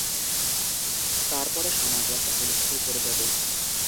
তার পরে সমাজে একটা হুলস্থুল পড়ে যাবে।